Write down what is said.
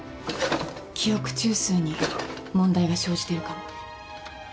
記憶中枢に問題が生じてるかも。